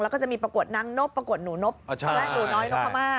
แล้วก็จะมีประกวดนางนบประกวดหนูนบและหนูน้อยนกพม่า